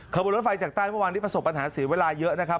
ขบวนรถไฟจากใต้เมื่อวานนี้ประสบปัญหาเสียเวลาเยอะนะครับ